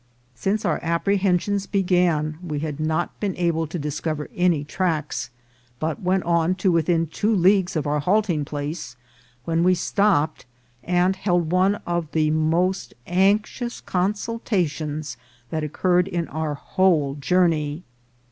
Since our apprehensions began, we had not been able to discover any tracks, but went on to within two leagues of our halting place, when we stopped, and held one of the most anxious consultations that occurred in our whole journey.